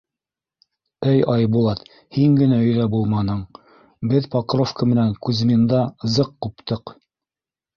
— Эй, Айбулат, һин генә өйҙә булманың, беҙ Покровка менән Кузьминда зыҡ ҡуптыҡ.